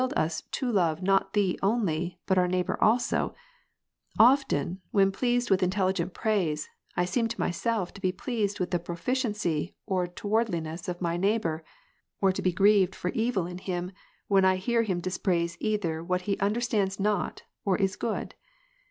—'::— is, whereon to bestow it, and hast willed us to love not Thee only, but our neighbour, also ; often, when pleased with intelligent praise, I seem to myself to be pleased with the proficiency or towardliness of my neighbour, or to be grieved for evil in him, when I hear him dispraise either what he understands not, or is good.